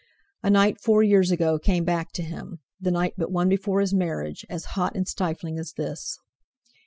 A night four years ago came back to him—the night but one before his marriage; as hot and stifling as this.